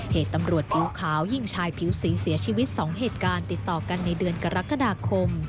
เหตุตำรวจผิวขาวยิงชายผิวสีเสียชีวิต๒เหตุการณ์ติดต่อกันในเดือนกรกฎาคม